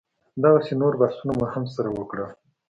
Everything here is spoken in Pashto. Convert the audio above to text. دغسې نور بحثونه مو هم سره وکړل.